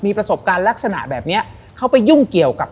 มีประสบการณ์ลักษณะแบบเนี้ยเขาไปยุ่งเกี่ยวกับ